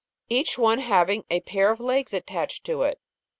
15 having a pair of legs attached to it.